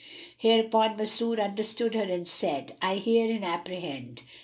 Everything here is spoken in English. Hereupon Masrur understood her and said, "I hear and apprehend.